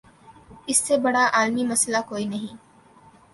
اس سے بڑا عالمی مسئلہ کوئی نہیں۔